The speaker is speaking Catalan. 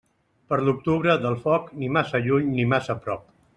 Per l'octubre, del foc, ni massa lluny ni massa prop.